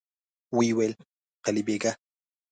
ويې ويل: قلي بېګه!